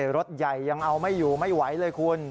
รถใหญ่ยังเอาไม่อยู่ไม่ไหวเลยคุณ